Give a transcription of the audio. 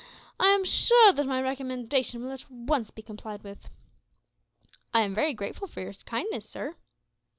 I am sure that my recommendation will at once be complied with." "I am very grateful for your kindness, sir."